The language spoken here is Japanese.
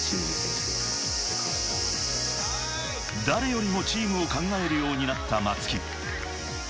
誰よりもチームを考えるようになった松木。